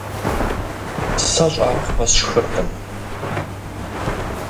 Сэ щӀакхъуэ сшхыркъым.